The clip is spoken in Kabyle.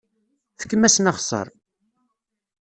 Fkem-asen axeṣṣar!